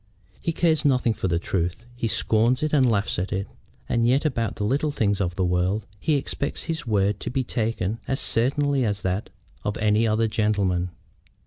"He cares nothing for truth. He scorns it and laughs at it. And yet about the little things of the world he expects his word to be taken as certainly as that of any other gentleman."